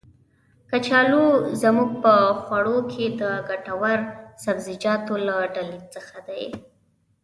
کچالو زمونږ په خواړو کې د ګټور سبزيجاتو له ډلې څخه دی.